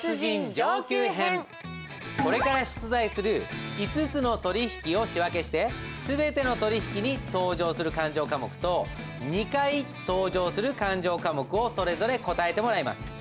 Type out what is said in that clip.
これから出題する５つの取引を仕訳して全ての取引に登場する勘定科目と２回登場する勘定科目をそれぞれ答えてもらいます。